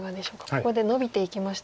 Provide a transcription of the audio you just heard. ここでノビていきましたが。